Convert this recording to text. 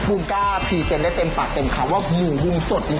ภูมิกล้าพรีเซนต์ได้เต็มปากเต็มคำว่าหมูสดจริง